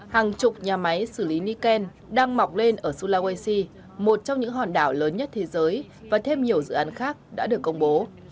hàng chục nhà máy xử lý nikken đang mọc lên ở sulawesi một trong những hòn đảo lớn nhất thế giới và thêm nhiều dự án khác đã được công bố